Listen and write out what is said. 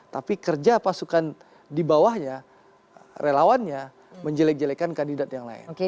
tapi kerja pasukan di bawahnya relawannya menjelek jelekkan kandidat yang lain